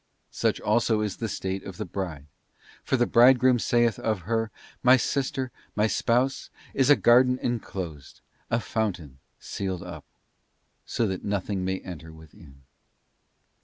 't Such also is the state of the Bride; for the Bridegroom saith of her, ' My sister, my spouse is a garden enclosed, a fountain sealed up,'{ so that nothing may enter within.